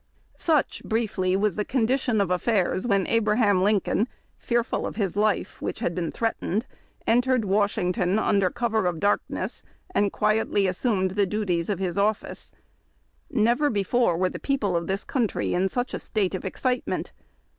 Such, briefly, was the condition of affairs when Abraham Lincoln, fearful of his life, which had been threatened, en tered Washington under cover of darkness, and quietly assumed the duties of his office. Never before were the people of this country in such a state of excitement.